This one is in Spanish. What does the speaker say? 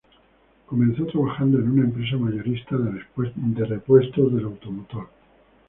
Comenzó trabajando en una empresa mayorista de repuestos del automotor.